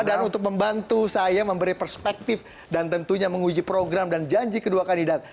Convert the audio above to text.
dan untuk membantu saya memberi perspektif dan tentunya menguji program dan janji kedua kandidat